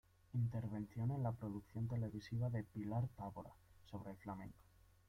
Intervención en la producción televisiva de "Pilar Távora" sobre el flamenco.